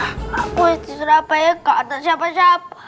aku mau ke surabaya kak atau siapa siapa